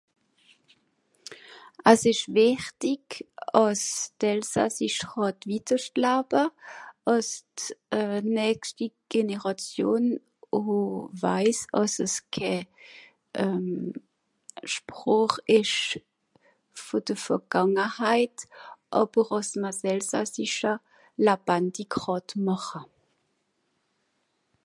As isch wichtig àss d Elsassisch khàt widderschtlabe, àss d euh nächschti Generàtion o weiss, àss es ke euhm Sproch isch vo de Vegàngeheit aber àss mr s Elsassische labandig khàt màche